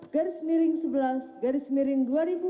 garis miring sebelas garis miring dua ribu enam belas